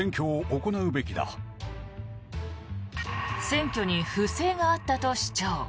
選挙に不正があったと主張。